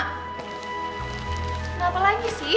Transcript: kenapa lagi sih